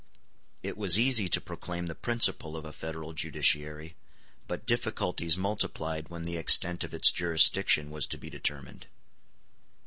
*d It was easy to proclaim the principle of a Federal judiciary, but difficulties multiplied when the extent of its jurisdiction was to be determined.